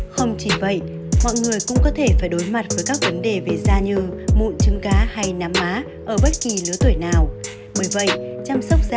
không chỉ vậy mọi người cũng có thể phải đối mặt với các vấn đề về da như mụn trứng cá hay nám má ở bất kỳ lứa tuổi nào